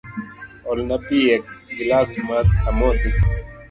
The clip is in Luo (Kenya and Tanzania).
Olna pi e gilas amodhi.